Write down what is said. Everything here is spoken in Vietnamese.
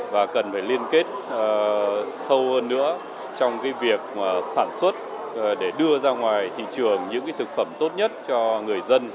và cần phải liên kết sâu hơn nữa trong việc sản xuất để đưa ra ngoài thị trường những thực phẩm tốt nhất cho người dân